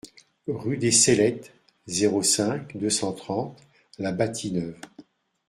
Rue des Cellettes, zéro cinq, deux cent trente La Bâtie-Neuve